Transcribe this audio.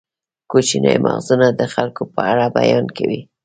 کوچني مغزونه د خلکو په اړه بیان کوي.